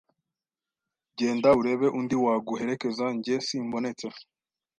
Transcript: Genda urebe undi waguherekeza jye simbonetse.